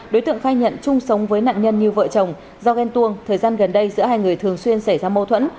đối tượng khai nhận chung sống với nạn nhân như vợ chồng do ghen tuồng thời gian gần đây giữa hai người thường xuyên xảy ra mâu thuẫn